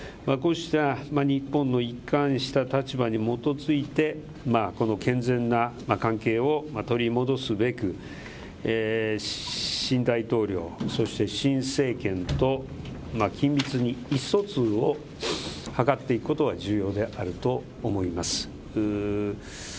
こうした日本の一貫した立場に基づいてこの健全な関係を取り戻すべく新大統領そして新政権と緊密に意思疎通を図っていくことが重要であると思います。